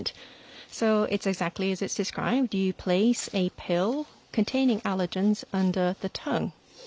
そうですね。